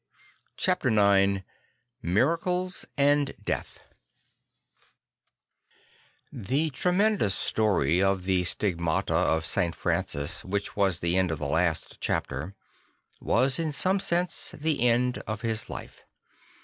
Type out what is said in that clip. Chapter I X Miracles and Death THE tremendous story of the Stigmata of St. Francis, which was the end of the last chapter, was in some sense the end of his life.